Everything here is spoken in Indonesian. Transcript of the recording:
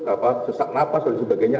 apa sesak nafas dan sebagainya